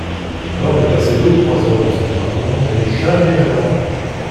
Alors elle passait deux ou trois heures dans son appartement, mais jamais davantage.